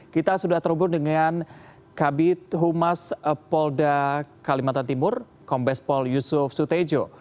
kita sudah terhubung dengan kabit humas polda kalimantan timur kombes pol yusuf sutejo